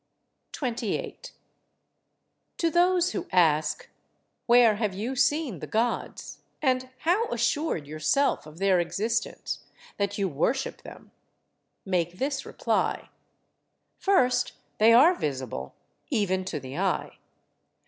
28. To those who ask, "Where have you seen the Gods, and how assured yourself of their existence, that you worship them?" make this reply: First, they are visible, even to the eye.